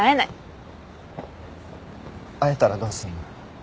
会えたらどうすんの？